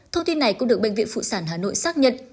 thông tin này cũng được bệnh viện phụ sản hà nội xác nhận